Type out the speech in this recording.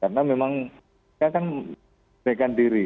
karena memang mereka kan mereka sendiri